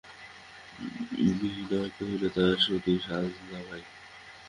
বিনয় কহিল, ভাই সতীশ, আজ না ভাই!